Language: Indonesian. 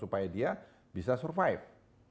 supaya dia bisa survive